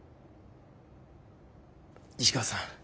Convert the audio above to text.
市川さん